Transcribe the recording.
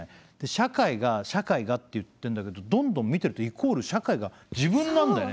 社会が社会がって言ってんだけどどんどん見てるとイコール社会が自分なんだよ。